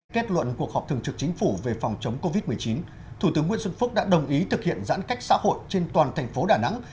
kết luận cuộc họp thường trực chính phủ về phòng chống covid một mươi chín thủ tướng nguyễn xuân phúc đã đồng ý thực hiện giãn cách xã hội trên toàn thành phố đà nẵng